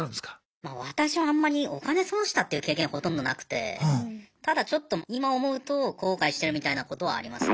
ま私はあんまりお金損したっていう経験ほとんどなくてただちょっと今思うと後悔してるみたいなことはありますね。